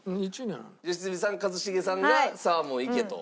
良純さん一茂さんがサーモンいけと。